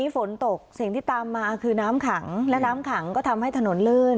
ฝนตกสิ่งที่ตามมาคือน้ำขังและน้ำขังก็ทำให้ถนนลื่น